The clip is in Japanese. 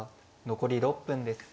残り６分です。